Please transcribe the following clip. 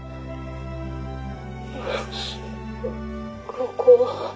「ここは」。